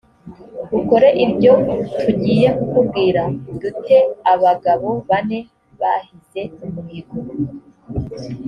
ukore ibyo tugiye kukubwira du te abagabo bane bahize umuhigo